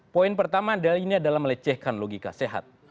poin pertama adalah ini adalah melecehkan logika sehat